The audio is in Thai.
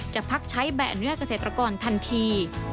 พักใช้ใบอนุญาตเกษตรกรทันที